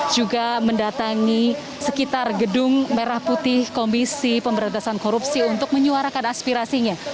juga mendatangi sekitar gedung merah putih komisi pemberantasan korupsi untuk menyuarakan aspirasinya